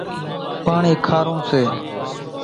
پاڻِي کارون سي۔